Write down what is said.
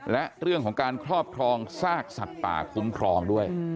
และเรื่องของการครอบครองซากสัตว์ป่าคุ้มครองด้วย